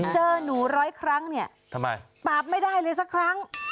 เจอหนูร้อยครั้งเนี่ยทำไมปาบไม่ได้เลยสักครั้ง